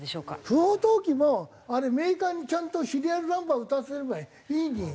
不法投棄もあれメーカーにちゃんとシリアルナンバー打たせればいいのに。